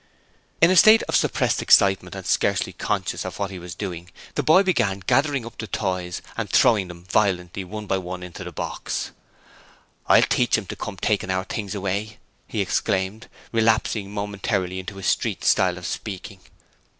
In a state of suppressed excitement and scarcely conscious of what he was doing, the boy began gathering up the toys and throwing them violently one by one into the box. 'I'll teach 'em to come taking our things away,' he exclaimed, relapsing momentarily into his street style of speaking.